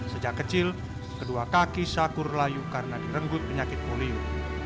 sejak kecil kedua kaki syakur layu karena direnggut penyakit polio